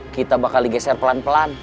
kita bakal digeser pelan pelan